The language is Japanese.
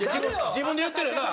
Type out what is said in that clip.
自分で言ってるよな？